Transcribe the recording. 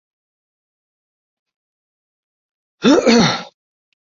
吴慰曾为道光二十七年丁未科二甲进士。